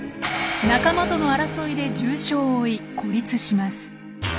仲間との争いで重傷を負い孤立します。